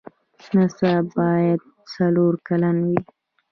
نصاب باید څلور کلن وي.